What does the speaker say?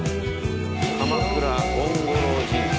鎌倉権五郎神社。